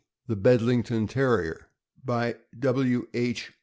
THE BEDLINGTON TERRIER. BY \Vr. H.